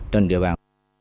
trên địa bàn